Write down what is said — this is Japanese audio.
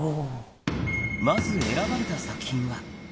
まず選ばれた作品は。